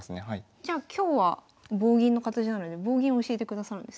じゃあ今日は棒銀の形なので棒銀教えてくださるんですか？